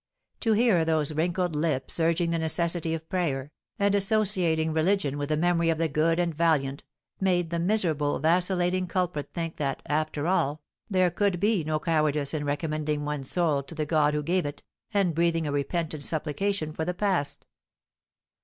To hear those wrinkled lips urging the necessity of prayer, and associating religion with the memory of the good and valiant, made the miserable, vacillating culprit think that, after all, there could be no cowardice in recommending one's soul to the God who gave it, and breathing a repentant supplication for the past.